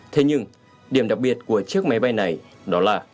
thế nhưng điểm đặc biệt là